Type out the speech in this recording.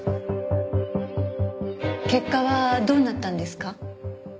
結果はどうなったんですか？